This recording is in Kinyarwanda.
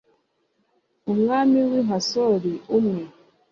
umwami w'i hasori, umwe